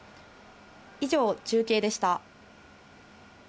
以上、中継でした。